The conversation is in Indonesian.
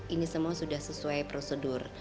ini semua sudah sesuai prosedur